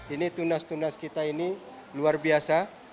ini tunas tunas kita ini luar biasa